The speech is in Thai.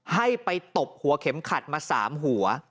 ให้ไปตบหัวเข็มขัดมา๓หัว